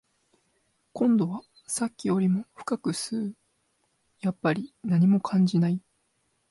今度はさっきよりも深く吸う、やっぱり何も感じない